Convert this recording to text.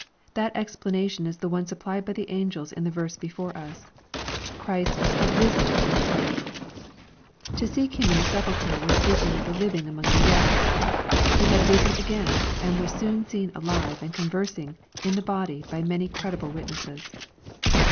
That explanation is the one supplied by the angels in the verse before us. Christ " had risen" from the grave. To seek Him in the sepulchre wasTeeking " the living among the dead.'' He had risen again, and was soon seen alive and conversing in the body by many credible witnesses.